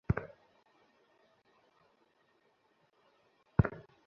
আমার বাল্ব হারাইসে, এইটা আউল ফাউল কথা?